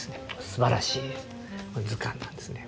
すばらしい図鑑なんですね。